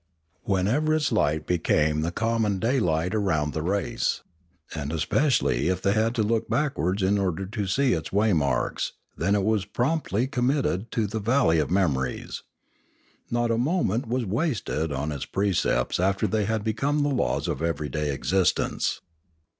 Whenever its light be came the common daylight around the race, and espe cially if they had to look backwards in order to see its waymarks, then was it promptly committed to the val ley of memories. Not a moment was wasted on its pre cepts after they had become the laws of everyday existence.